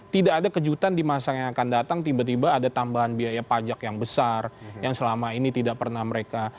tidak ada kejutan di masa yang akan datang tiba tiba ada tambahan biaya pajak yang besar yang selama ini tidak pernah mereka